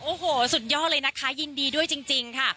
โอ้โหสุดยอดเลยนะคะยินดีด้วยจริงค่ะ